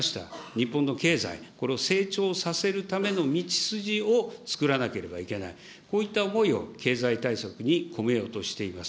日本の経済、これを成長させるための道筋を作らなければいけない、こういった思いを経済対策に込めようとしています。